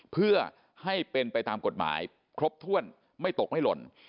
เพื่อให้เป็นไปตามกฎหมายครบถ้วนไม่ตกไม่หล่น